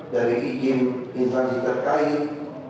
dari izin instansi terkait